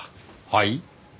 はい？